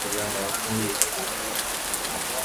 The plant intends to make up to ten every year.